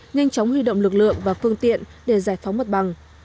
nhanh chóng huy động lực lượng và phương tiện để giải phóng mặt bằng